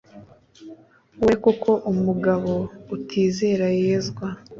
we kuko umugabo utizera yezwa